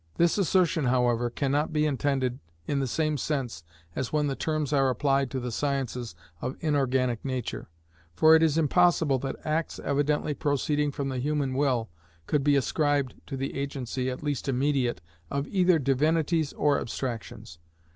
This assertion, however, cannot be intended in the same sense as when the terms are applied to the sciences of inorganic nature; for it is impossible that acts evidently proceeding from the human will could be ascribed to the agency (at least immediate) of either divinities or abstractions.